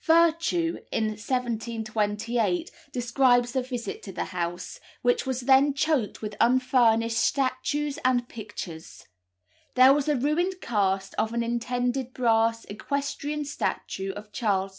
Vertue, in 1728, describes a visit to the house, which was then choked with unfinished statues and pictures. There was a ruined cast of an intended brass equestrian statue of Charles II.